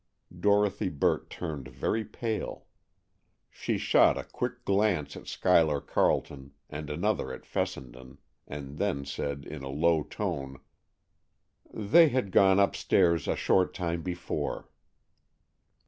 Dorothy Burt turned very pale. She shot a quick glance at Schuyler Carleton and another at Fessenden, and then said in a low tone: "They had gone upstairs a short time before."